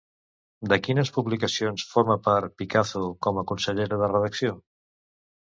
De quines publicacions forma part Picazo com a consellera de redacció?